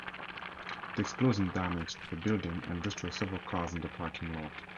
The explosion damaged the building and destroyed several cars in the parking lot.